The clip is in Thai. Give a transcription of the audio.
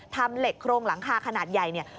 ทำเหล็กโครงหลังคาขนาดใหญ่เนี่ย